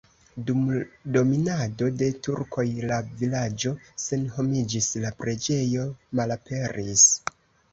Dum dominado de turkoj la vilaĝo senhomiĝis, la preĝejo malaperis.